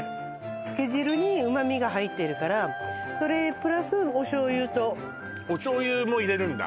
漬け汁にうま味が入ってるからそれプラスお醤油とお醤油も入れるんだ